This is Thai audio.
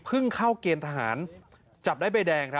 เข้าเกณฑ์ทหารจับได้ใบแดง